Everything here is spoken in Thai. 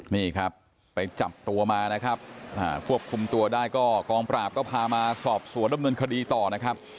นี่ครับไปจับตัวมานะครับควบคุมตัวได้ก็กองปราบก็พามาสอบสวนดำเนินคดีต่อนะครับ